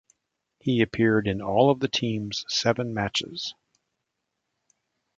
He appeared in all of the team's seven matches.